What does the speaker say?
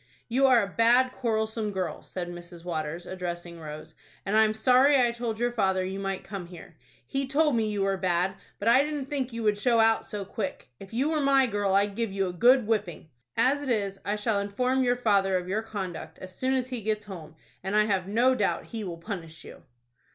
"You are a bad, quarrelsome girl," said Mrs. Waters, addressing Rose, "and I'm sorry I told your father you might come here. He told me you were bad; but I didn't think you would show out so quick. If you were my girl, I'd give you a good whipping. As it is, I shall inform your father of your conduct, as soon as he gets home, and I have no doubt he will punish you."